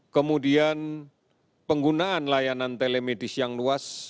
kemudian penggunaan layanan telemedis yang luas